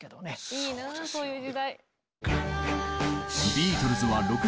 いいなそういう時代。